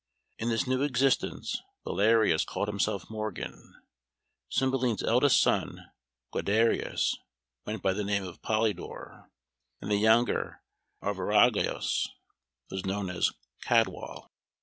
In this new existence Belarius called himself "Morgan"; Cymbeline's eldest son Guiderius went by the name of "Polydore"; and the younger, Arviragus, was known as "Cadwal."